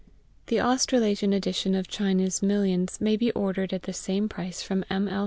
The Australasian edition of China's Millions may be ordered at the same price from M. L.